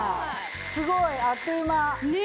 すごい！あっという間。ね！